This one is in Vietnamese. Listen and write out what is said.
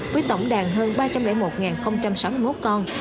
với tổng đàn hơn ba trăm linh một sáu mươi một con